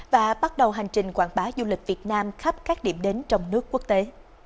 và bắt đầu hành trình quảng bá du lịch việt nam khắp các điểm đến trong nước quốc tế